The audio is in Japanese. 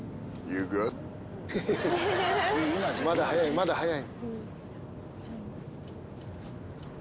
まだ早いまだ早い。